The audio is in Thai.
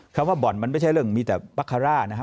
คำว่าบ่อนมันไม่ใช่เรื่องมีแต่นะฮะ